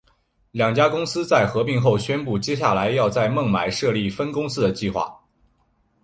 两家公司在合并后宣布接下来要在孟买设立分公司的计划。